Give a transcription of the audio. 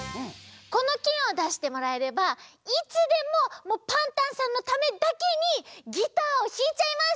このけんをだしてもらえればいつでもパンタンさんのためだけにギターをひいちゃいます。